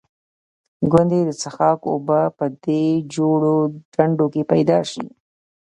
ګوندې د څښاک اوبه په دې جوړو ډنډوکو کې پیدا شي.